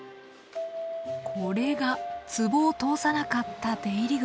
これがツボを通さなかった出入り口。